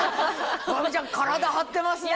真美ちゃん体張ってますね。